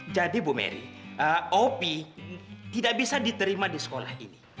jadi bu merry op tidak bisa diterima di sekolah ini